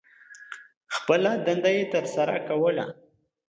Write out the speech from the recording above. خپله دنده یې تر سرہ کوله.